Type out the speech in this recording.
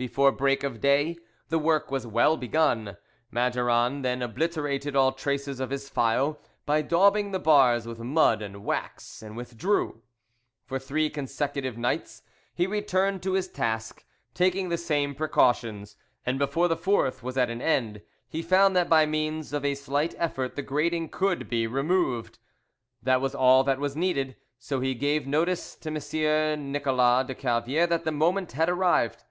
Before break of day the work was well begun. Maduron then obliterated all traces of his file by daubing the bars with mud and wax, and withdrew. For three consecutive nights he returned to his task, taking the same precautions, and before the fourth was at an end he found that by means of a slight effort the grating could be removed. That was all that was needed, so he gave notice to Messire Nicolas de Calviere that the moment had arrived.